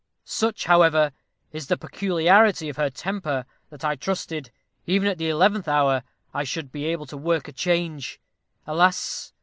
Such, however, is the peculiarity of her temper, that I trusted, even at the eleventh hour, I should be able to work a change. Alas!